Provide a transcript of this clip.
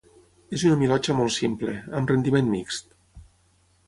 És una milotxa molt simple, amb rendiment mixt.